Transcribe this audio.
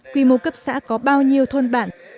quy mô cấp xã có bao nhiêu thôn bản